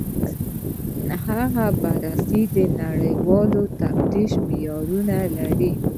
هغه بررسي د نړیوال تفتیش معیارونه لري.